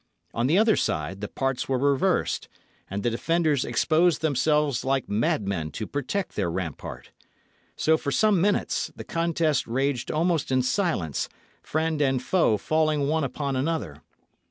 On the other side, the parts were reversed; and the defenders exposed themselves like madmen to protect their rampart. So for some minutes the contest raged almost in silence, friend and foe falling one upon another.